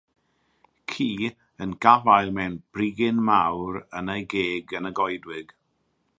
Ci yn gafael mewn brigyn mawr yn ei geg yn y goedwig.